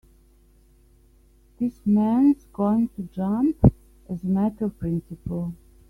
This man's going to jump as a matter of principle.